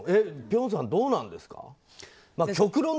辺さん、どうなんですか？